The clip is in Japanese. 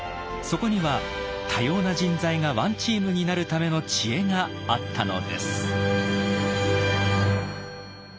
そこには多様な人材がワンチームになるための知恵があったのです。